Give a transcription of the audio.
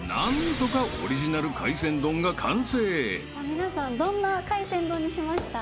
皆さんどんな海鮮丼にしました？